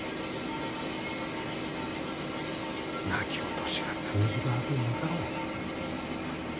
泣き落としが通じるはずもなかろう。